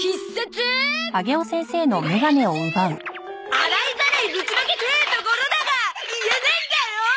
洗いざらいぶちまけてえところだが言えねえんだよー！